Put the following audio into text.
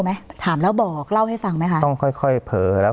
ไหมถามแล้วบอกเล่าให้ฟังไหมคะต้องค่อยค่อยเผลอแล้ว